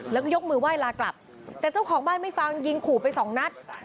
แล้วก็ยกมือไหว้ลากลับแต่เจ้าของบ้านไม่ฟังยิงขู่ไปสองนัด